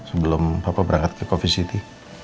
sebelum papa berangkat ke coffeesity